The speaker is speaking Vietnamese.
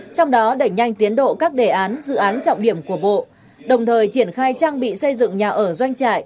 trong đó đẩy nhanh tiến độ các đề án dự án trọng điểm của bộ đồng thời triển khai trang bị xây dựng nhà ở doanh trại